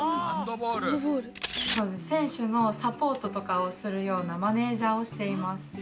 せんしゅのサポートとかをするようなマネージャーをしています。